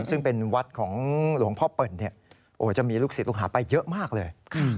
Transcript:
ซึ่งเป็นวัดของหลวงพ่อเปิ่นจะมีลูกศิษย์ลูกหาไปเยอะมากเลย